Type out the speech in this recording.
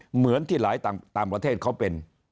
เหมือนที่หลายต่างประเทศเขาเป็น